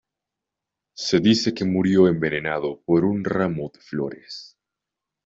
Se dice que murió envenenado por un ramo de flores.